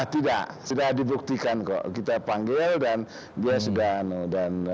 tidak sudah dibuktikan kok kita panggil dan dia sudah dan